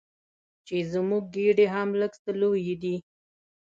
چې زموږ ګېډې هم لږ څه لویې دي.